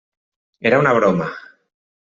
Era una broma.